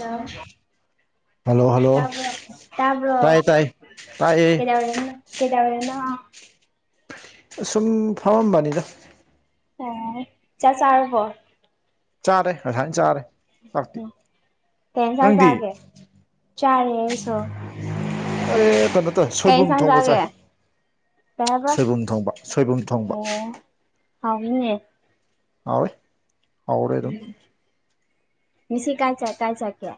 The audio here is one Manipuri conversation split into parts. ꯂ ꯍꯜꯂꯣ ꯍꯜꯂꯣ ꯇꯕꯣ ꯇꯕ꯭ꯔꯣ ꯇꯥꯏꯌꯦ ꯇꯥꯏꯌꯦ ꯇꯥꯛꯑꯦ ꯀꯗꯅ ꯀꯦꯗꯅ ꯁꯁꯨꯝ ꯐꯝꯃꯝꯕꯅꯤꯗ ꯑ ꯆ ꯆꯔꯕ ꯆꯥꯔꯦ ꯉꯁꯥꯏꯅ ꯆꯥꯔꯦ ꯆꯥꯛꯇꯤ ꯎ ꯇ ꯅꯪꯗꯤ ꯆ ꯒꯦ ꯆꯥ ꯌꯦ ꯁ ꯑꯦ ꯊ ꯣꯏ ꯁꯣꯏꯕꯨꯝ ꯊꯣꯡꯕ ꯆꯥꯏ ꯀꯩ ꯍꯥꯏꯕ ꯁꯣꯏꯕꯨꯝ ꯊꯣꯡꯕ ꯁꯣꯏꯕꯨꯝ ꯊꯣꯡꯕ ꯍꯥꯎ ꯏꯉꯦ ꯍꯔꯦ ꯍꯔ ꯑꯗꯨꯝ ꯃꯤꯁꯤ ꯀꯥꯏ ꯆ ꯀꯥꯏ ꯆ ꯀꯌꯥ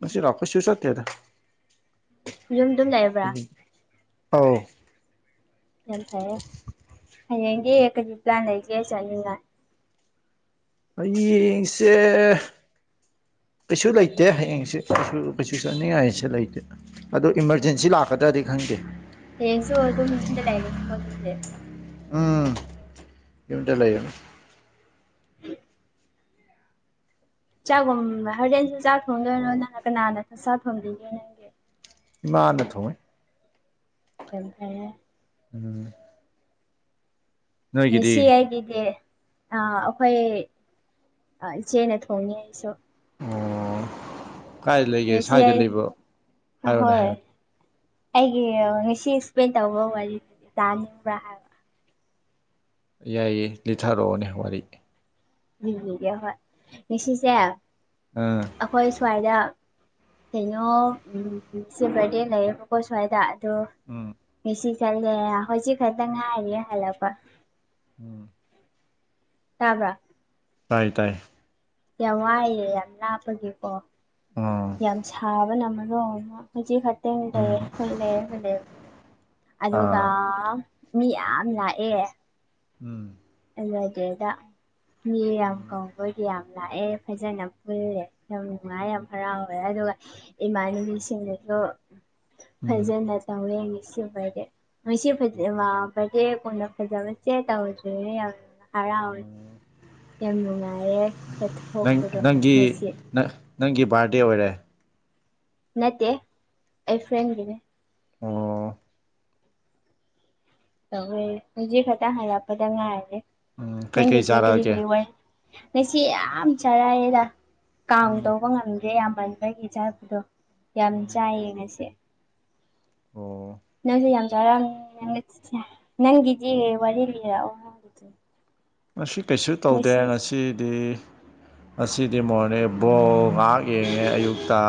ꯃꯁꯤ ꯔꯄꯥ ꯁꯤꯁꯗ ꯊꯦꯗ ꯌꯨꯝꯗꯨꯝ ꯂꯩꯕ꯭ꯔꯥ ꯑꯥꯎ ꯍꯌꯦꯡꯒꯤ ꯀꯖꯤ ꯄ꯭ꯂꯥꯟ ꯂꯩꯒꯦ ꯆꯅ ꯍꯌꯦꯡꯁꯦ ꯀꯩꯁꯨ ꯂꯩꯇꯦ ꯍꯌꯦꯡꯁꯦ ꯀꯩꯁꯨ ꯀꯩꯁꯨ ꯆꯠꯅꯤꯡꯉꯥꯏꯁꯨꯦ ꯂꯩꯇꯦ ꯑ ꯏꯃꯥꯔꯖꯦꯟꯁꯤ ꯂꯥꯛꯀꯗ꯭ꯔꯗꯤ ꯈꯪꯗꯦ ꯍꯁꯨ ꯑꯗꯨ ꯃꯤꯗ ꯂꯩꯒꯦꯅꯤ ꯀꯣꯦ ꯎꯝ ꯌꯃꯤꯇ ꯂꯩꯒꯅ ꯆꯥꯛꯒꯨꯝ ꯍꯣꯔꯦꯟꯁꯨ ꯆꯥꯛ ꯊꯣꯡꯗꯣꯏꯅꯣ ꯅꯪ ꯀꯅꯥꯅ ꯆꯥꯛ ꯊꯣꯡꯕꯤꯒꯦ ꯅꯪꯒꯤ ꯃꯥ ꯅ ꯊꯣꯡꯋꯦ ꯀ ꯐꯑꯦ ꯎꯝ ꯅꯣꯏꯒꯤꯗꯤ ꯃꯤꯁꯤ ꯍꯥꯏꯒꯗꯦ ꯑ ꯑꯩꯈꯣꯏ ꯏꯆꯦꯅ ꯊꯣꯡꯉ ꯑꯩꯁꯨ ꯑꯣ ꯀꯥꯏ ꯂꯩꯒꯦ ꯁ꯭ꯋꯥꯏꯗ ꯑꯦꯁꯤꯌꯥꯥꯏ ꯂꯩꯕ꯭ꯔꯣ ꯍꯥꯏꯔꯣꯅꯦ ꯍꯣꯏ ꯍꯥꯏꯔꯣꯅꯦ ꯑꯩꯒꯤ ꯍꯁꯤ ꯑꯦꯁꯄ꯭ꯂꯦꯟ ꯇꯧꯕ ꯋꯥꯔꯤꯗꯤꯕ꯭ꯔ ꯍꯥꯏꯕ ꯌꯥꯏꯌꯦ ꯂꯤꯊꯥꯔꯛꯑꯣꯅꯦ ꯋꯥꯔꯤ ꯦ ꯍꯣꯏ ꯉꯁꯤꯁꯦ ꯑꯥ ꯑꯩꯈꯣꯏ ꯁ꯭ꯋꯥꯏꯗ ꯀꯩꯅꯣꯁꯦ ꯕꯥꯔꯗꯦ ꯂꯩꯌꯦꯕꯀꯣ ꯁ꯭ꯋꯥꯏꯗ ꯑꯗꯣ ꯎꯝ ꯉꯁꯤ ꯆꯠꯂꯦ ꯍꯧꯖꯤꯛ ꯈꯛꯇꯪ ꯉꯥꯏꯔꯤꯦ ꯍꯜꯂꯛꯄ ꯎꯝ ꯇꯥꯕ꯭ꯔꯥ ꯇꯥꯏ ꯇꯥꯏ ꯀ ꯋꯥꯏꯌꯦ ꯌꯥꯝꯅꯄꯒꯤꯄꯣ ꯎꯝ ꯌꯥꯝ ꯁꯥꯕꯅꯝꯃꯗꯣ ꯍꯧꯖꯤꯛ ꯈ ꯎꯝ ꯇꯦꯦꯦ ꯑꯗꯨꯒꯒ ꯑꯥ ꯃꯤ ꯌꯥꯝ ꯂꯥꯛꯑꯦ ꯎꯝ ꯄꯨꯜꯂꯗꯤꯦꯗ ꯃꯤ ꯌꯥꯝ ꯎꯝ ꯀꯕꯗꯤ ꯌꯥꯝ ꯂꯥꯛꯑꯦ ꯐꯖꯅ ꯄꯨꯜꯔꯦ ꯌꯥꯝ ꯅꯨꯡꯉꯥꯏ ꯌꯥꯝ ꯎꯝ ꯍꯔꯥꯎꯋꯦ ꯑꯗꯨꯒ ꯏꯃꯥꯟꯅꯕꯤꯁꯤꯡꯗꯁꯨ ꯎꯝ ꯐꯖꯅ ꯇꯧꯋꯦ ꯉꯁꯤ ꯐꯦ ꯐ ꯌꯦ ꯀꯣꯏ ꯅ ꯐꯖꯥꯕꯦ ꯆꯦ ꯇꯧꯖ ꯍꯔꯥꯎꯋꯦ ꯌꯥꯝ ꯅꯨꯡꯉꯥꯏꯔꯦ ꯅꯪ ꯆꯠꯊꯣꯛꯄꯗꯣ ꯅꯪꯒꯤ ꯅꯣꯏꯁꯤ ꯅꯪ ꯅꯪꯒꯤ ꯕꯥꯔꯗꯦ ꯑꯣꯏꯔꯦ ꯅꯠꯇꯦ ꯑꯩ ꯐ꯭ꯔꯦꯟꯒꯤꯅꯦ ꯑꯣ ꯇꯧꯦ ꯍꯧꯖꯤꯛ ꯈꯛꯇꯪ ꯍꯜꯂꯛꯄꯗ ꯉꯥꯏꯔꯔꯦ ꯎꯝ ꯀꯩꯀꯩ ꯅꯪꯒꯤꯗꯤ ꯀꯔꯤ ꯆꯥꯔꯛꯑꯒꯦ ꯀꯔꯤ ꯋꯥ ꯅꯁꯤ ꯌꯥꯝ ꯆꯔꯥꯏꯌꯦꯦꯗ ꯀꯥꯡ ꯎꯝ ꯇꯧꯕ ꯉꯝꯗꯦ ꯌꯥꯝꯕꯟ ꯒꯤ ꯆꯥꯄꯗꯣ ꯌꯥꯝ ꯎꯝ ꯆꯥꯏꯌꯦ ꯉꯁꯦ ꯑꯣ ꯑ ꯅꯪꯒꯦ ꯋꯥꯔꯤꯅꯤꯂꯔ ꯃꯁꯤ ꯀꯩꯁꯨ ꯇꯧꯗꯦ ꯉꯁꯤꯗꯤ ꯉꯗꯤ ꯃꯣꯔꯅꯦ ꯕꯣ ꯉꯥꯏꯍꯥꯛ ꯌꯦꯡꯉꯦ ꯑꯌꯨꯛꯇ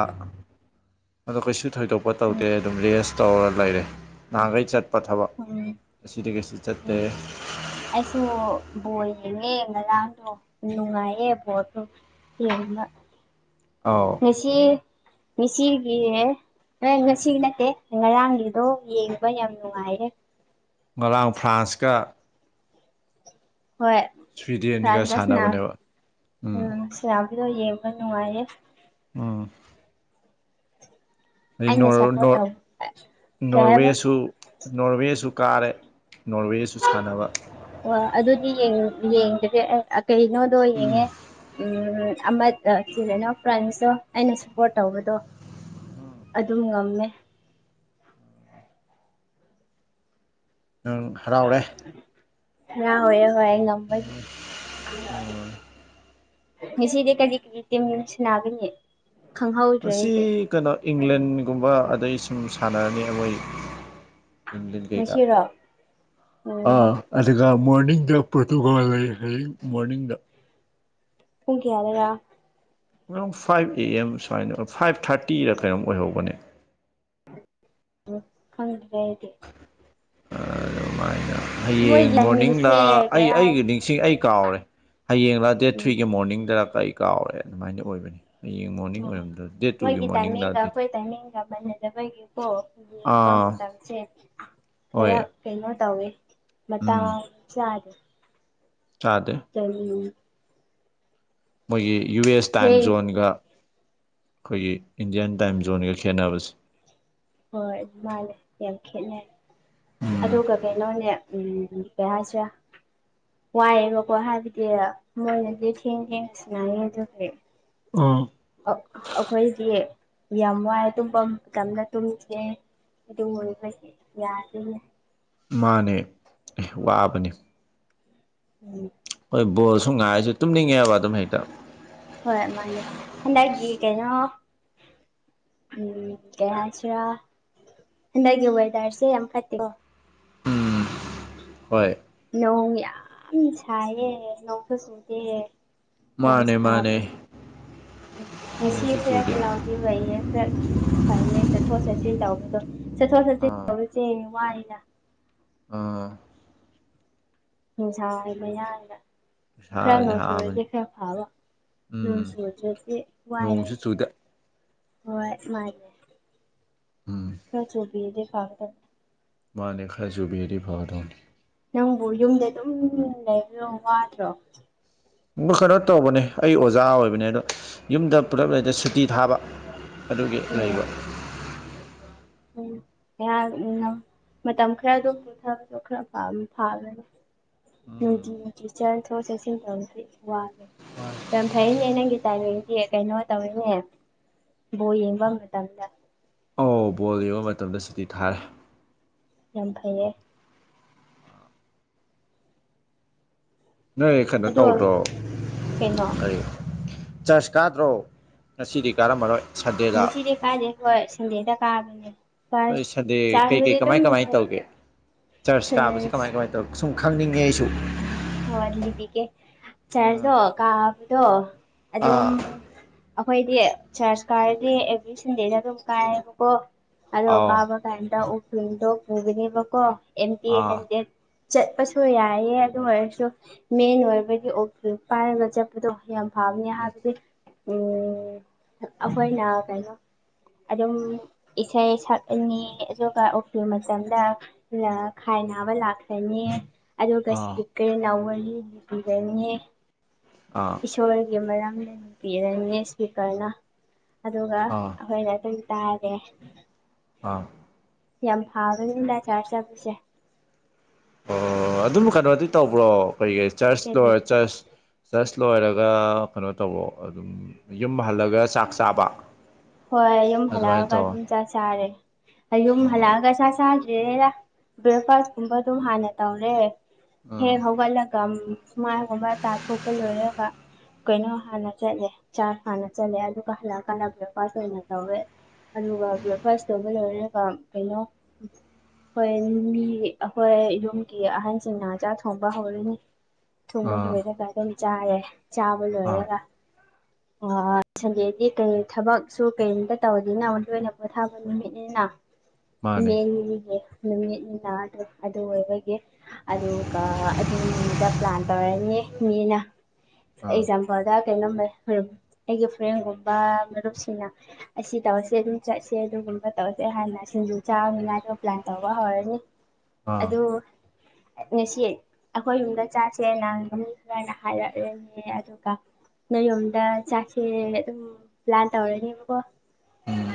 ꯑꯗꯣ ꯀꯩꯁꯨ ꯊꯣꯏꯗꯣꯛꯄ ꯎꯝ ꯇꯧꯗꯦ ꯑꯗꯨꯝ ꯔꯦꯁ ꯇꯧꯔ ꯂꯩꯔꯦ ꯅꯍꯥꯟꯈꯩ ꯆꯠꯄ ꯊꯕꯛ ꯎꯝ ꯑꯁꯤꯗꯤ ꯀꯩꯁꯨ ꯆꯠꯇꯦ ꯎꯝ ꯑꯩꯁꯨ ꯣꯜ ꯟꯅꯉ ꯂꯅꯣ ꯏꯅꯨꯡꯉꯌꯦꯦ ꯄꯗꯣ ꯑꯧ ꯃꯁꯤ ꯃꯁꯤꯔꯒꯤꯦ ꯑ ꯉꯁꯤ ꯅꯠꯇꯦ ꯉꯔꯥꯡꯒꯤꯗꯣ ꯌꯦꯡꯕ ꯌꯥꯝ ꯅꯨꯡꯉꯥꯏꯔꯦ ꯉꯔꯥꯡ ꯐ꯭ꯔꯥꯟꯁꯀ ꯍꯣꯏ ꯁ꯭ꯋꯤꯗꯦꯟꯒ ꯐꯥꯟꯗꯁꯅ ꯁꯥꯟꯅꯕꯅꯦꯕ ꯎꯝ ꯁꯝ ꯗꯣ ꯌꯦꯡꯕ ꯅꯨꯡꯉꯥꯏꯌꯦꯦ ꯎꯝ ꯑꯗꯩ ꯑꯩꯅ ꯁꯞꯄꯣꯔꯠ ꯇꯧ ꯀꯩ ꯍꯥꯏꯕ ꯅꯣꯔꯋꯦꯁꯨ ꯅꯣꯔꯋꯦꯁꯨ ꯀꯥꯔꯦ ꯅꯣꯔꯋꯦꯁꯨ ꯁꯥꯟꯅꯕ ꯑꯣ ꯑꯗꯨꯗꯤ ꯌꯦꯡꯗꯁꯦ ꯀꯩꯅꯣꯗꯣ ꯌꯦꯡꯉꯦ ꯎꯝ ꯤꯅꯣ ꯐ꯭ꯔꯦꯟꯁꯇ ꯑꯩꯅ ꯁꯞꯄꯣꯔꯠ ꯇꯧꯕꯗꯣ ꯑꯗꯨꯝ ꯉꯝꯃꯦ ꯍꯔꯥꯎꯔꯦ ꯌꯥ ꯍꯣꯏ ꯍꯣꯏ ꯑꯩ ꯉꯝꯕꯒꯤꯦ ꯉꯁꯤꯗꯤ ꯀꯔꯤ ꯀꯠꯇ ꯃ ꯁꯅꯥꯕꯦ ꯃꯁꯤ ꯀꯩꯅꯣ ꯏꯪꯂꯦꯟꯒꯨꯝꯕ ꯑꯗꯩ ꯁꯨꯝ ꯁꯥꯟꯅꯔꯅꯤ ꯑꯩꯈꯣꯏ ꯉꯁꯤꯔꯣ ꯑꯣ ꯀꯦ ꯑ ꯃꯣꯔꯅꯤꯡꯗ ꯄꯣꯔꯇꯨꯒꯥꯜ ꯂꯩ ꯍꯧꯌꯦꯛ ꯃꯣꯔꯅꯤꯡꯗ ꯎꯨꯡ ꯀꯦꯌꯥꯔꯔ ꯉꯔꯥꯎ ꯐꯥꯏꯚ ꯑꯦ ꯑꯦꯝ ꯁꯨꯃꯥꯏꯅ ꯐꯥꯏꯚ ꯊꯥꯔꯇꯤꯗ ꯀꯩꯅꯣꯝ ꯑꯣꯏꯍꯧꯕꯅꯦ ꯈꯪꯗ꯭ꯔ ꯏꯦ ꯑꯗꯨꯃꯥꯏꯅ ꯍꯌꯦꯡ ꯃꯣꯏꯒꯤ ꯃꯣꯔꯅꯤꯡꯗ ꯇꯥꯏꯃꯤꯡꯁꯦ ꯑꯩ ꯀꯌꯥ ꯍꯥꯏ ꯑꯩꯒꯤ ꯅꯤꯡꯁꯤꯡ ꯑꯩ ꯀꯥꯎꯔꯦ ꯍꯌꯦꯡꯡꯂ ꯗꯦꯠ ꯊ꯭ꯔꯤꯒꯤ ꯎꯝ ꯃꯣꯔꯅꯤꯡꯗ ꯀꯔꯤ ꯀꯥꯎꯔꯦ ꯑꯗꯨꯃꯥꯏꯅ ꯑꯣꯏꯕꯅꯤ ꯍꯌꯦꯡ ꯃꯣꯔꯅꯤꯡ ꯎ ꯑꯣꯏꯔꯝꯗ꯭ꯔ ꯗꯦꯠ ꯇꯨꯒꯤ ꯃꯣꯏꯒꯤ ꯃꯣꯔꯅꯤꯡꯂ ꯇꯥꯏꯃꯤꯡꯒ ꯗꯦꯠ ꯑꯩꯈꯣꯏ ꯇꯥꯏꯃꯤꯒ ꯕꯒꯤꯀꯣ ꯂꯣꯡꯕ ꯑꯥ ꯃꯇꯝꯁꯦ ꯍꯣꯏ ꯈꯔ ꯀꯩꯅꯣ ꯇꯧꯋꯦ ꯃ ꯎꯝ ꯆꯗꯦ ꯆꯥꯗꯦ ꯇ ꯃꯣꯏꯒꯤ ꯌꯨ ꯑꯦꯁ ꯇꯥꯏꯝ ꯊꯦꯡ ꯖꯣꯟꯒ ꯑꯩꯈꯣꯏꯒꯤ ꯏꯟꯗꯤꯌꯥꯟ ꯇꯥꯏꯝ ꯖꯣꯟꯒ ꯈꯦꯅꯕꯁꯦ ꯍꯣꯏ ꯑꯗꯨ ꯃꯥꯂꯦ ꯌꯥꯝ ꯈꯦꯠꯅ ꯎꯝ ꯑꯣ ꯀ ꯀꯩꯅꯣꯅꯦ ꯎꯝ ꯄꯌꯥꯖ ꯋꯥꯏꯑꯦꯕꯀꯣ ꯍꯥꯏꯕꯗꯤ ꯃꯣꯏꯅꯗꯤ ꯊꯦꯡ ꯊꯦꯡꯉ ꯁꯅꯅꯤ ꯑꯗꯨꯒꯤ ꯑꯥ ꯑꯩꯈꯣꯏꯁ ꯌꯥꯝ ꯋꯥꯏ ꯇꯨꯝꯐꯝ ꯃꯇꯝꯗ ꯇꯨꯝꯁꯦ ꯐ ꯌꯥ ꯃꯥꯅꯦ ꯑꯦ ꯋꯥꯕꯅꯤ ꯎꯝ ꯍꯣꯏ ꯕꯣꯜꯁꯨ ꯉꯥꯏꯔꯤꯁꯨ ꯇꯨꯝꯅꯤꯡꯉꯦꯕ ꯑꯗꯨꯝ ꯍꯦꯛꯇ ꯍꯣꯏ ꯃꯥꯅꯦ ꯍꯟ ꯀꯩꯅꯣ ꯎꯝ ꯀꯩꯅꯁꯤꯔ ꯍꯗꯒꯤ ꯋꯥꯣꯏꯗꯔꯁꯤꯦ ꯌꯥꯝ ꯐꯠꯇ ꯎꯝ ꯍꯣꯏ ꯅꯣꯡ ꯌꯥꯝ ꯁꯥꯏꯌꯦꯦ ꯅꯣꯡꯁꯨ ꯆꯨꯗꯦ ꯃꯥꯅꯦ ꯃꯥꯅꯦ ꯃꯤꯁꯤ ꯅꯣꯡꯁꯨ ꯐꯔ ꯆꯨꯗꯦ ꯀ ꯂꯥꯎꯗꯤ ꯋꯥꯏꯌꯦ ꯐꯔ ꯐꯥꯏ ꯆꯠ ꯆꯠꯊꯣꯛ ꯆꯠꯁꯤ ꯇꯧꯕꯗꯣ ꯆꯠꯊꯣꯛ ꯆꯠꯁꯤ ꯇꯧꯕꯗ ꯆꯦꯅꯤ ꯋꯥꯏꯅ ꯑ ꯅꯨꯡꯁꯥ ꯍꯥꯏꯕ ꯌꯥꯔꯒ ꯈꯔ ꯏꯁꯥꯁꯦ ꯅꯣꯡ ꯁꯨꯔꯗꯤ ꯍꯥꯕꯅꯤ ꯈꯔ ꯐꯕ ꯅ ꯎꯝ ꯁꯣ ꯆꯦꯁꯦ ꯋꯥꯏ ꯅꯣꯡꯁꯨ ꯆꯨꯗꯦ ꯍ ꯃꯥꯔ ꯎꯝ ꯈꯔ ꯆ ꯎꯄꯤꯗꯤꯦ ꯈꯥꯗ ꯃꯥꯅꯦ ꯈꯦꯖꯨꯕꯦꯔꯤ ꯐꯥꯔꯣꯟ ꯅꯪꯕꯨ ꯌꯨꯝꯗ ꯑꯗꯨꯝ ꯂꯩꯕ ꯋꯥꯗ꯭ꯔꯣ ꯀꯩꯅꯣ ꯇꯧꯕꯅꯦ ꯑꯩ ꯑꯣꯖꯥ ꯑꯣꯏꯕꯅꯦ ꯑꯗꯣ ꯌꯨꯝꯗ ꯄꯨꯂꯞ ꯂꯩꯇ ꯁꯨꯇꯤ ꯊꯥꯕ ꯑꯗꯨꯒꯤ ꯎꯝ ꯂꯩꯕ ꯎꯝ ꯌꯥ ꯏ ꯃꯇꯝ ꯈꯔꯗꯣ ꯄꯨꯝꯊꯕꯗꯣ ꯈꯔ ꯐꯥꯒꯅꯤ ꯎꯝ ꯆ ꯊ ꯆꯦꯛꯁꯤ ꯋꯥ ꯌꯥꯝ ꯐꯩꯅꯦ ꯅꯪꯒꯤ ꯇꯥꯏꯃꯤꯡꯒꯤ ꯀꯩꯅꯣ ꯇꯧꯔꯤꯅꯦ ꯕꯣ ꯌꯦꯡꯕ ꯃꯇꯝꯗ ꯑꯧ ꯕꯣꯜ ꯌꯦꯡꯕ ꯃꯇꯝꯗ ꯁꯨꯇꯤ ꯊꯥꯔꯦ ꯌꯥꯝ ꯐꯩꯌꯦ ꯅꯣꯏ ꯀꯩꯅꯣ ꯑꯗꯣ ꯇꯧꯗ꯭ꯔꯣ ꯀꯩꯅꯣ ꯑꯩ ꯆꯔꯆ ꯀꯥꯗ꯭ꯔꯣ ꯉꯁꯤꯗꯤ ꯀꯥꯔꯝꯃꯔꯣꯏ ꯁꯟꯗꯦꯗ ꯉꯁꯤꯗꯤ ꯀꯥꯥꯁꯦꯀꯣꯏ ꯁꯟꯗꯦꯗ ꯀꯥꯕꯅꯦ ꯣꯏ ꯐꯥꯔꯁ ꯁꯟꯗꯦ ꯀꯩ ꯆꯥꯟꯁꯕꯨꯗꯤ ꯀꯩ ꯀꯃꯥꯏ ꯑꯗꯨꯝ ꯀꯃꯥꯏꯅ ꯇꯧꯒꯦ ꯆꯔꯆ ꯀꯥꯕꯁꯤꯦ ꯀꯃꯥꯏ ꯀꯃꯥꯏ ꯇꯧ ꯁꯨꯝꯈꯪꯅꯤꯡꯉꯦꯁꯨ ꯍꯣꯏ ꯂꯤꯕꯤꯒꯦ ꯆꯔꯗꯣ ꯀꯥꯕꯗꯣ ꯑꯥ ꯑꯗꯨꯝ ꯑꯥ ꯑꯩꯈꯣꯏꯗꯤ ꯆꯔꯆ ꯀꯥꯔꯗꯤ ꯑꯦꯚ꯭ꯔꯤ ꯁꯟꯗꯦꯗ ꯑꯗꯨꯝ ꯀꯥꯏꯕꯀꯣ ꯑꯗꯣ ꯑꯣ ꯑꯥꯎ ꯀꯥꯕ ꯀꯝꯇ ꯎꯗꯣ ꯄꯨꯕꯅꯦꯕꯀꯣ ꯑꯦꯝꯇ ꯑꯥ ꯍꯦꯟꯗꯦ ꯆꯠꯄꯁꯨ ꯌꯥꯏꯑ ꯑꯗꯨ ꯑꯣꯏꯔꯁꯨ ꯃꯦꯟ ꯑꯣꯏꯕꯗꯤ ꯑꯣꯀꯤ ꯄꯥꯏꯔꯒ ꯆꯠꯄꯗꯣ ꯌꯥꯝ ꯐꯕꯅꯤ ꯍꯥꯏꯕꯗꯤ ꯑꯩꯈꯣꯏꯅ ꯀꯩꯅꯣ ꯑꯗꯨꯝ ꯏꯁꯩ ꯁꯛꯅꯤ ꯑꯗꯨꯒ ꯎꯀꯤ꯭ꯨꯜ ꯃꯇꯝꯗꯥꯏ ꯅꯕ ꯂꯥꯛꯂꯅꯤ ꯑꯗꯨꯒ ꯑꯥ ꯏꯁꯄꯤꯀꯔꯅꯎ ꯋꯥꯔꯤ ꯂꯤꯕꯤꯔꯅꯤ ꯑꯥ ꯏꯁꯣꯔꯒꯤ ꯃꯔꯝꯗ ꯅꯨꯄꯤꯔꯅꯦ ꯏꯁꯄꯤꯀꯔꯅ ꯑꯗꯨꯒ ꯑꯥ ꯑꯩꯈꯣꯏꯗ ꯑꯗꯨꯝ ꯇꯥꯒꯦ ꯑꯥ ꯌꯥꯝ ꯐꯥꯕꯗꯗ ꯆꯥꯔ ꯆ ꯄꯁꯦ ꯑꯣ ꯑꯗꯨꯝ ꯀꯩꯅꯣꯗꯤ ꯇꯧꯕ꯭ꯔꯣ ꯀꯩ ꯀ ꯆꯔꯆ ꯀꯔꯤ ꯂꯣꯏꯔ ꯆꯔꯆ ꯖꯁ ꯂꯣꯏꯔꯒ ꯀꯩꯅꯣ ꯇꯧꯧꯕꯔꯣ ꯑꯗꯨꯝ ꯌꯨꯝ ꯍꯜꯂꯒ ꯆꯥꯛ ꯆꯥꯕ ꯍꯣꯏ ꯌꯨꯝ ꯑꯗꯨꯃꯥꯏꯅ ꯍꯜꯂꯛꯑꯒ ꯇꯧꯋꯣ ꯑꯗꯨꯝ ꯆ ꯁꯥꯔꯦ ꯌꯨꯝ ꯑꯣ ꯍꯜꯂꯛꯑꯒ ꯆ ꯆꯈꯤ ꯔ ꯕ꯭ꯔꯦꯛꯐꯥꯁꯀꯨꯝꯕ ꯑꯗꯨꯝ ꯍꯥꯟꯅ ꯇꯧꯔꯦ ꯍꯦꯛ ꯑꯥ ꯍꯧꯒꯠꯂꯒ ꯁꯨꯃꯥꯏꯒꯨꯝꯕ ꯇꯥꯊꯣꯛꯄ ꯂꯣꯏꯔꯒ ꯀꯩꯅꯣ ꯍꯥꯟꯅ ꯆꯠꯂꯦ ꯆꯥꯔ ꯍꯥꯟꯅ ꯆꯠꯂꯦ ꯑꯗꯨꯒ ꯍꯜꯂꯛꯑ ꯀꯜꯂꯕ꯭ꯔꯣ ꯄꯥꯁ ꯑꯣꯏꯅ ꯇꯧꯋꯦ ꯑꯗꯨꯒ ꯄꯨ ꯐꯥꯔꯁꯇꯧꯕ ꯂꯣꯏꯔꯒ ꯀꯩꯅꯣ ꯍꯣꯏ ꯌꯨꯝꯒꯤ ꯑꯩꯈꯣꯏ ꯌꯨꯝꯒꯤ ꯑꯍꯟꯁꯤꯡꯅ ꯆꯥꯛ ꯊꯣꯡꯕ ꯍꯧꯔꯤꯅꯤ ꯊꯨꯝꯕ ꯑꯥ ꯂꯣꯏꯔꯒ ꯀ ꯆꯥꯔꯦ ꯆꯥꯕ ꯑꯥ ꯂꯣꯏꯔꯒ ꯑꯣ ꯁꯟꯗꯦꯗꯤ ꯀꯩ ꯊꯕꯛ ꯁꯨ ꯀꯔꯤꯝꯇ ꯇꯧꯅꯤꯅ ꯃ ꯑꯣꯏꯅ ꯄꯣꯊꯥꯕ ꯅꯨꯃꯤꯠꯅꯤꯅ ꯃꯥꯅꯦ ꯏꯔꯤꯒꯦ ꯅꯨꯃꯤꯠꯅꯤ ꯅꯥꯗ꯭ꯔꯦ ꯑꯗꯨ ꯑꯣꯏꯕꯒꯤ ꯑꯗꯨꯒ ꯑꯗꯨ ꯅꯨꯃꯤꯗ ꯄ꯭ꯂꯥꯟ ꯇꯧꯔꯅꯤ ꯃꯤꯅ ꯑꯥ ꯑꯦꯛꯖꯥꯝꯄꯜꯗ ꯀꯩꯅꯣ ꯑꯩꯒꯤ ꯐ꯭ꯔꯦꯟꯒꯨꯝꯕꯨꯞ ꯁꯤꯅ ꯑꯁꯤ ꯇꯧꯔꯁꯦ ꯑꯗꯨꯝ ꯆꯠꯁꯦ ꯑꯗꯨꯒꯨꯝꯕ ꯇꯧꯔꯁꯦ ꯍꯥꯟꯅ ꯁꯤꯡꯖꯨ ꯆꯥꯕꯅꯤꯅ ꯑꯗꯨꯒꯣ ꯄ꯭ꯂꯥꯟ ꯇꯧꯕ ꯍꯧꯋꯦ ꯑꯥ ꯑꯗꯨ ꯉꯁꯤ ꯑꯩꯈꯣꯏ ꯌꯨꯝꯗ ꯆꯥꯁꯦ ꯅꯪ ꯃꯤ ꯈꯔꯅ ꯍꯥꯏꯔꯛꯂꯅꯦ ꯑꯗꯨꯒ ꯅ ꯌꯣꯝꯗ ꯆꯥꯛꯁꯦ ꯑꯗꯨꯝ ꯄ꯭ꯂꯥꯟ ꯇꯧꯔꯅꯦꯕꯀꯣ ꯎꯝ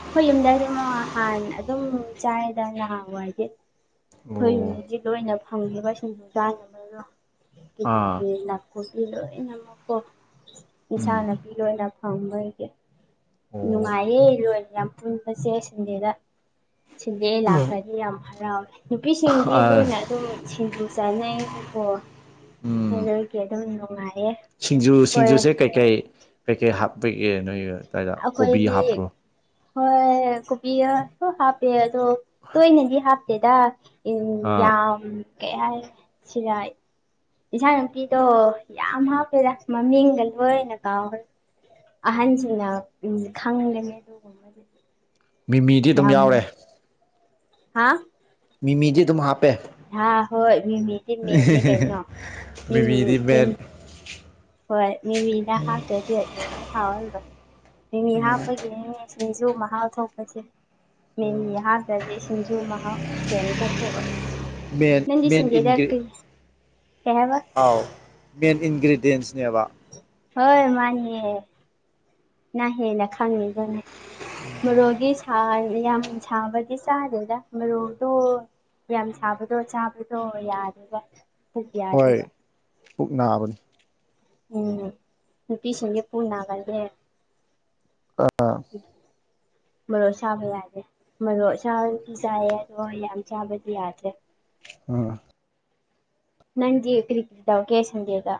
ꯑꯩꯈꯣꯏ ꯌꯨꯝꯗ ꯑꯗꯨꯝ ꯍꯥꯟ ꯑꯗꯨꯝ ꯆꯥꯏꯗ ꯅꯍꯥꯎꯕ ꯍꯥꯏꯗꯤ ꯑꯩꯈꯣꯏ ꯑꯣ ꯌꯗꯤ ꯂꯣꯏꯅ ꯐꯪꯉꯕ ꯁꯤꯡꯗꯣꯡ ꯆꯥꯅꯕꯗꯣ ꯑꯥ ꯀꯗꯤ ꯅꯥꯄꯨꯔꯁ ꯂ ꯂꯅꯃꯛꯀꯣ ꯎꯝ ꯏꯁꯆꯥꯅꯅꯥꯄꯤ ꯑꯣꯏꯅ ꯐꯝꯕꯒꯤ ꯑꯣ ꯅꯨꯡꯉꯥꯏꯦꯔꯨ ꯌꯥꯝ ꯄꯨꯟꯕ ꯆꯦꯁꯗꯗ ꯁꯤꯗꯦ ꯂꯥꯛꯈ꯭ꯔꯗꯤ ꯌꯥꯝ ꯍꯔꯥꯎꯋꯦ ꯅꯨꯄꯤꯁꯤꯡꯗꯤ ꯑꯥ ꯂꯣꯏꯅ ꯑꯗꯨꯝ ꯁꯤꯡꯖꯨ ꯆꯥꯅꯩ ꯑꯣ ꯎꯝ ꯑꯗꯨꯒꯤ ꯑꯗꯨꯝ ꯅꯨꯡꯉꯥꯏ ꯁꯤꯡꯖꯨ ꯁꯤꯡꯖꯨꯁꯦ ꯀꯩꯀꯩ ꯀꯩꯀꯩ ꯍꯥꯞꯄꯒꯦ ꯅꯣꯏ ꯑꯗꯨꯏꯗ ꯀꯣꯕꯤ ꯑꯩꯈꯣꯏꯗꯤ ꯍꯥꯞꯄꯣ ꯍꯣꯏ ꯀꯣꯕꯤꯒ ꯍꯥꯞꯄꯦ ꯑꯗꯣ ꯇꯣꯏꯅꯗꯤ ꯍꯥꯞꯇꯦꯗ ꯎ ꯑꯥ ꯌꯥꯝ ꯀꯩ ꯍꯥꯏꯥꯏ ꯁꯤꯔꯥꯏ ꯏꯟꯥ ꯅꯨꯅꯨꯡꯄꯤꯗꯣ ꯌꯥꯝ ꯍꯥꯞꯄꯦꯗ ꯃꯃꯤꯡꯒ ꯂꯣꯏꯅ ꯀꯥꯎꯈ꯭ꯔꯦ ꯎꯝ ꯑꯍꯟꯁꯤꯡꯅ ꯈꯪꯍꯅꯤ ꯑꯗꯨꯒꯨꯝꯕ ꯃꯤꯃꯤꯗꯤ ꯑꯗꯨꯝ ꯌꯥꯎꯔꯦ ꯍꯥ ꯃꯤꯃꯤꯡꯗꯤꯦꯨꯃ ꯍꯥ ꯍꯥ ꯍꯣꯏ ꯃꯤꯃꯤꯗꯤ ꯃꯦꯅꯦ ꯀꯩꯅ ꯃꯤꯃꯤ ꯃꯤꯃꯤꯗꯤ ꯃꯤ ꯃꯦꯟ [unintelligible] ꯍꯣꯏ ꯃꯤ ꯃꯤꯅ ꯍꯥꯄꯦ ꯍ ꯃꯤ ꯍꯥꯄꯒꯤꯦ ꯁꯨ ꯃꯍꯥꯎ ꯊꯣꯛꯄꯁꯦ ꯃꯤꯒꯤꯍꯥꯡꯗꯗꯤ ꯁꯤꯡꯖꯨ ꯃꯍꯥꯎ ꯀꯦꯝꯇ ꯊꯣꯛꯑꯣ ꯃꯦꯟ ꯅꯪꯗꯤ ꯃꯦꯟ ꯏꯟꯒ꯭ꯔꯤ ꯁꯤꯡꯖꯦꯗꯥꯛꯇꯔꯤ ꯑꯥꯎ ꯃꯦꯟ ꯏꯟꯒ꯭ꯔꯔꯤꯗꯤꯌꯦꯦꯟꯁꯅꯦ ꯍꯥꯏꯕ ꯍꯣꯏ ꯃꯥꯅꯤꯌꯦ ꯅ ꯂ ꯈꯥꯡꯃꯤ ꯃꯔꯣꯒꯤꯁ ꯌꯥꯝ ꯁꯥꯕꯗꯤ ꯆꯥꯗꯦꯗ ꯃꯔꯣꯛꯗꯣ ꯌꯥꯝ ꯁꯥꯕꯗꯣ ꯆꯥꯕ ꯑꯣ ꯌꯥꯗꯦꯕ ꯊ ꯍꯣꯏ ꯌꯥꯗꯦꯕ ꯄꯨꯛ ꯅꯥꯕꯅꯤ ꯎꯝ ꯅꯨꯄꯤꯁꯟꯦ ꯄꯨꯅꯥꯒꯒꯦ ꯑꯥ ꯃꯔꯣ ꯁꯥꯕ ꯌꯥꯗ꯭ꯔꯦ ꯃꯔꯣ ꯁꯥꯕꯗꯤ ꯆꯥꯏꯌꯦ ꯑꯗꯣ ꯍꯣꯏ ꯌꯥꯝ ꯆꯕꯗꯤ ꯌꯥꯗ꯭ꯔꯦ ꯑ ꯅꯟꯤ ꯀꯔꯤꯦꯠꯗ ꯑꯣ ꯀꯦ ꯆꯟꯗꯦꯗ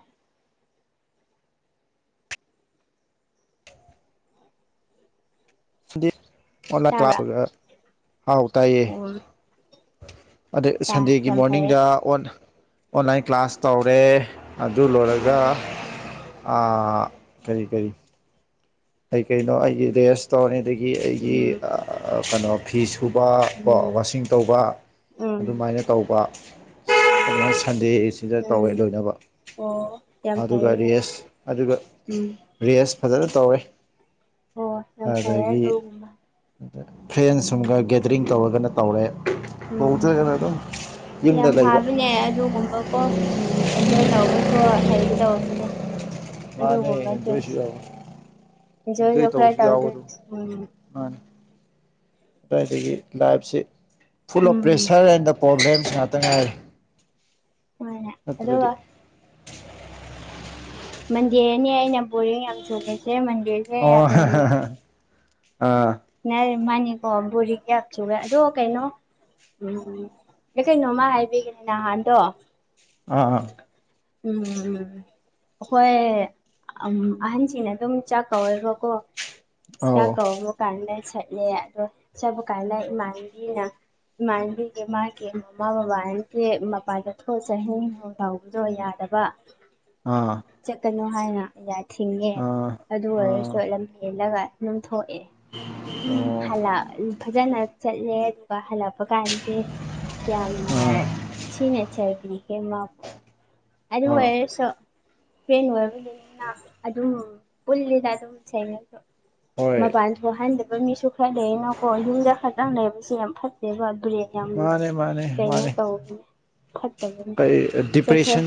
ꯗꯤ ꯑꯣꯟꯂꯥꯏꯟ ꯇꯥꯕ꯭ꯔꯥ ꯀ꯭ꯂꯥꯁ ꯍꯥꯎ ꯇꯥꯏꯌꯦ ꯎꯝ ꯑꯗꯩ ꯇꯥ ꯁꯟꯗꯦꯒꯤ ꯌꯥꯝ ꯐꯩꯌꯦ ꯃꯣꯔꯅꯤꯡꯗ ꯑꯣꯟ ꯑꯣꯟꯂꯥꯏꯟ ꯀ꯭ꯂꯥꯁ ꯇꯧꯔꯦ ꯑꯗꯨ ꯂꯣꯏꯔꯒ ꯑꯥ ꯈꯔꯤ ꯈꯔꯤ ꯑꯩ ꯀꯩꯅꯣ ꯑꯩꯒꯤ ꯔꯦꯁꯇꯣꯔꯦꯟ ꯑꯗꯒꯤ ꯑꯩꯒꯤ ꯎꯝ ꯀꯩꯅꯣ ꯐꯤꯁ ꯊꯨꯕ ꯀꯣ ꯎꯝ ꯋꯥꯁꯤꯡ ꯇꯧꯕ ꯎꯝ ꯑꯗꯨꯃꯥꯏꯅ ꯇꯧꯕ ꯎꯝ ꯑꯗꯨꯅ ꯁꯟꯗꯦꯁꯤꯗ ꯎꯝ ꯇꯧꯋꯦ ꯂꯣꯏꯅꯕ ꯑꯣ ꯌꯥꯝ ꯑꯗꯨꯒ ꯐꯩꯌꯦꯅꯦ ꯔꯦꯁ ꯑꯗꯨꯒ ꯎꯝ ꯔꯦꯁ ꯐꯖꯅ ꯇꯧꯔꯦ ꯍ ꯑꯝ ꯐꯥꯏꯗ ꯑ ꯐ꯭ꯔꯦꯟꯁ ꯁꯨꯝꯒ ꯒꯦꯗꯔꯤꯡ ꯇꯧꯔꯒꯅ ꯇꯧꯔꯦ ꯎꯝ ꯇꯧꯗ꯭ꯔꯒꯅ ꯑꯗꯨꯝ ꯌꯨꯝꯗ ꯌꯥꯝ ꯂꯩꯕ ꯐꯥꯕꯅꯦ ꯑꯗꯨꯒꯨꯝꯕꯀꯣ ꯎꯝ ꯑꯦꯟꯖꯣꯏ ꯇꯧꯕꯁꯨ ꯁ ꯍꯩꯒꯗ ꯑꯗꯨꯅꯦ ꯃꯥꯅꯦ ꯑꯗꯨꯒꯨꯝꯕꯁꯨ ꯑꯦꯟꯖꯣꯏꯁꯨ ꯌꯥꯎꯋꯦ ꯑꯦꯟꯖꯣꯏ ꯖꯁꯨꯣ ꯈꯔ ꯇꯧꯕꯁꯨ ꯇꯥꯎꯗ ꯎ ꯑꯗꯨꯏꯗꯒꯤ ꯂꯥꯏꯞꯁꯤ ꯐꯨꯜ ꯑꯣꯐ ꯎꯝ ꯄ꯭ꯔꯦꯁꯔ ꯍꯥꯏꯅ ꯄ꯭ꯔꯣꯒ꯭꯭ꯔꯂꯦꯝꯁꯅꯇ ꯍꯥꯏ ꯃꯥꯅꯦ ꯑꯗꯣ ꯋꯥ ꯃꯟꯗꯤꯔꯅꯤ ꯑꯩꯅ ꯕꯣꯣꯔꯡ ꯌꯥꯝ ꯆꯣꯡꯉꯁꯦ ꯃꯟꯗꯤꯔꯁꯦ ꯑꯣ ꯌꯥꯝ ꯅꯨꯡꯉ ꯑꯥ ꯃꯥꯅꯤꯀꯣ ꯕꯣꯔꯤ ꯀꯌꯥꯁꯨꯒ ꯑꯗꯣ ꯀꯩꯅꯣ ꯎꯝ ꯎꯝ ꯑꯩꯈꯩꯩꯅꯣꯃ ꯍꯥꯏꯕꯤꯒꯅꯍꯠꯇꯣ ꯑꯥ ꯑꯥ ꯎꯝ ꯎꯝ ꯍꯈꯣꯏ ꯑꯍꯟꯁꯤꯅ ꯑꯗꯨꯝ ꯆꯥꯛ ꯀꯧꯋꯦꯕꯀꯣ ꯑꯥꯎ ꯁꯠꯂꯦ ꯑꯗꯣ ꯆꯠꯄ ꯀꯥꯏꯅ ꯏꯃꯥꯟꯕꯤꯅ ꯃꯥꯟꯕꯤꯦ ꯃꯥ ꯀꯦ ꯃꯃꯥ ꯕꯥꯟꯁꯦ ꯃꯄꯥꯥꯗꯣ ꯁꯍꯤꯗ ꯌꯥꯗ ꯆꯕꯥꯛ ꯆꯠꯀꯅꯨ ꯍꯥꯏꯅ ꯌꯥ ꯊꯤꯡꯉꯦ ꯑꯥ ꯑꯗꯨ ꯑꯥ ꯑꯣ ꯑꯣꯏꯔꯁꯨ ꯂꯝ ꯍꯦꯜꯂꯒ ꯑꯗꯨꯝ ꯊꯣꯛꯑꯦ ꯎꯝ ꯍꯜꯂ ꯐꯖꯅ ꯆꯠꯂꯦ ꯑꯗꯨꯒ ꯍꯜꯂꯛꯄ ꯀꯥꯟꯝꯗꯤ ꯌꯥꯝꯅ ꯑꯥ ꯁꯤꯤꯅꯆꯕꯅꯤ ꯍꯦ ꯃꯥ ꯑꯅꯤ ꯑꯥ ꯍꯋꯁ ꯐꯦꯟ ꯑꯣꯏꯕꯒꯤꯅꯤꯅ ꯑꯗꯨꯝ ꯄꯨꯜꯂꯤꯗ ꯑꯗꯨꯝꯉꯣ ꯍꯣꯏ ꯑꯣ ꯍꯥꯏꯟꯗꯕ ꯃꯤꯁꯨ ꯈꯔ ꯂꯩꯅꯀꯣ ꯌꯨꯝꯗ ꯈꯛꯇꯪ ꯂꯩꯕꯁꯦ ꯌꯥꯝ ꯐꯠꯇꯦꯕ ꯃꯥꯅꯦ ꯌꯥꯝꯂꯁ ꯃꯥꯅꯦ ꯀꯩꯅꯣ ꯃꯥꯅꯦ ꯇꯧꯕꯅꯦ ꯐꯠꯇꯕꯅꯦ ꯆꯠꯊꯣꯛ ꯗꯤꯄ꯭ꯔꯦꯁꯟ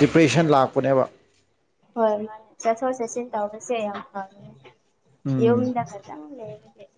ꯗꯤꯄ꯭ꯔꯦꯁꯟ ꯂꯥꯛꯄꯅꯦꯕ ꯍꯣꯏ ꯃꯥ ꯆꯠꯊꯣꯛ ꯆꯠꯁꯤꯟ ꯇꯧꯔꯁꯦ ꯌꯥꯝ ꯐꯪ ꯎꯝ ꯌꯣꯗ ꯎ